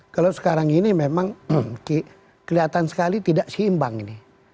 kalau sekarang ini memang kelihatan sekali tidak seimbang ini